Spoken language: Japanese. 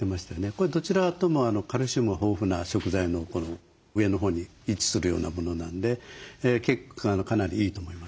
これどちらともカルシウムが豊富な食材の上のほうに位置するようなものなんでかなりいいと思いますね。